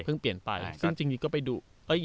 ซึ่งจริงก็ไปดู